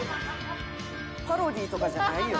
「パロディーとかじゃないよ」